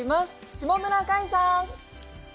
下村快さん！